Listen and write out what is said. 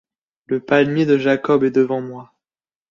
Le palmier de Jacob est devant moi.